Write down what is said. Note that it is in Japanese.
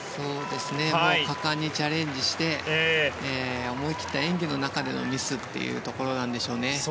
果敢にチャレンジして思い切った演技の中でのミスというところなんでしょうね。